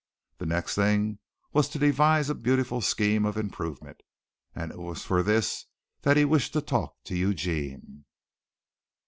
The next thing was to devise a beautiful scheme of improvement, and it was for this that he wished to talk to Eugene.